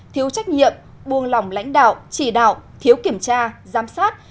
thiếu trách nhiệm buông lỏng lãnh đạo chỉ đạo thiếu kiểm tra giám sát